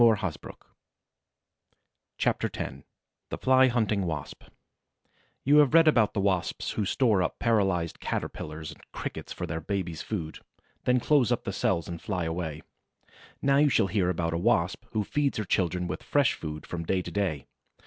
CHAPTER X THE FLY HUNTING WASP You have read about the Wasps who store up paralyzed Caterpillars and Crickets for their babies' food, then close up the cells and fly away; now you shall hear about a Wasp who feeds her children with fresh food from day to day.